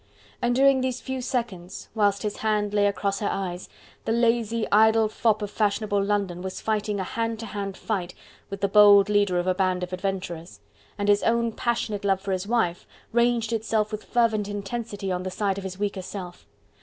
And during these few seconds, whilst his hand lay across her eyes, the lazy, idle fop of fashionable London was fighting a hand to hand fight with the bold leader of a band of adventurers: and his own passionate love for his wife ranged itself with fervent intensity on the side of his weaker self.